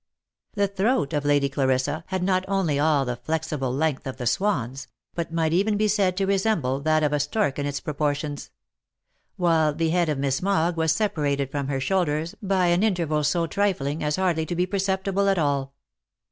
The throat of Lady Clarissa had not only all the flexile length of the swan's, but might even be said to resemble that of the stork in its proportions ; while the head of Miss Mogg was separated from her shoulders by an interval so trifling, as hardly to be percep tible at all.